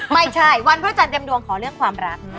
ไม่ใช่วันพระจันทร์เต็มดวงขอเรื่องความรัก